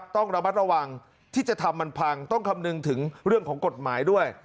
ต้องระมัดระวังที่จะทำมันพังต้องคำนึงถึงเรื่องของกฎหมายด้วย